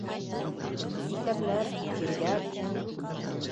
Иҫәпләр, тиргәр.